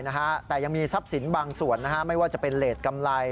ใช่แต่ยังมีทรัพย์ศีลบางส่วนไม่ว่าจะเป็นไรดกำไร